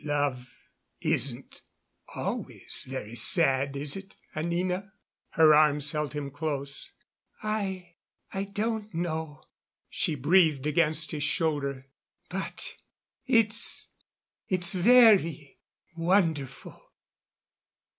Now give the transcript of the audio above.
"Love isn't always very sad, is it, Anina?" Her arms held him close. "I I don't know," she breathed against his shoulder. "But it's it's very wonderful."